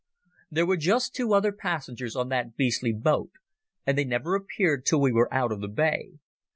There were just two other passengers on that beastly boat, and they never appeared till we were out of the Bay.